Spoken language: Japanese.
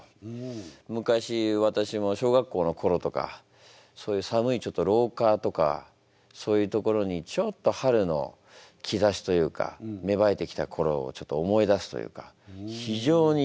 昔私も小学校の頃とかそういう寒い廊下とかそういう所にちょっと春の兆しというか芽生えてきた頃をちょっと思い出すというか。